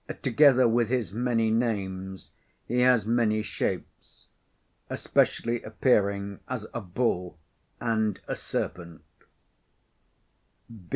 Together with his many names, he has many shapes, especially appearing as a Bull and a Serpent.